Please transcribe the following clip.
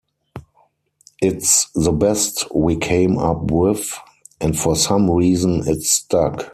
It's the best we came up with, and for some reason it stuck.